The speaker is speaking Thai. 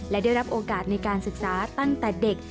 และได้รับโอกาสในการศึกษาตั้งแต่เด็ก